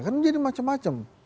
kan jadi macem macem